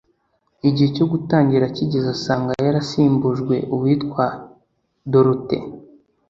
igihe cyo gutangira kigeze asanga yarasimbujwe uwitwa dorothe